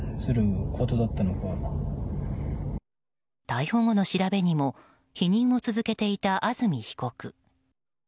逮捕後の調べにも否認を続けていた安住被告。